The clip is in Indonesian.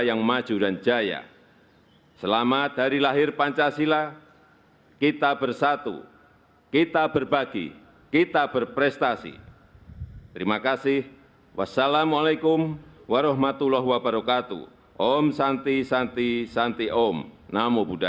tanda kebesaran buka hormat senjata